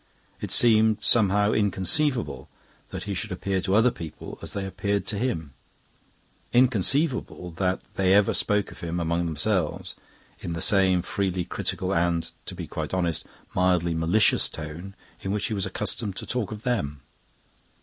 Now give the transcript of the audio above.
It seemed, somehow, inconceivable that he should appear to other people as they appeared to him; inconceivable that they ever spoke of him among themselves in that same freely critical and, to be quite honest, mildly malicious tone in which he was accustomed to talk of them.